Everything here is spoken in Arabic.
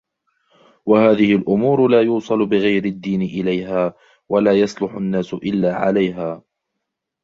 وَهَذِهِ الْأُمُورُ لَا يُوصَلُ بِغَيْرِ الدِّينِ إلَيْهَا ، وَلَا يَصْلُحُ النَّاسُ إلَّا عَلَيْهَا